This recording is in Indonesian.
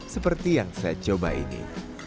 seperti yang saya coba ini